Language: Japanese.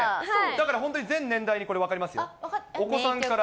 だから本当にこれ、全年代に分かりますよ。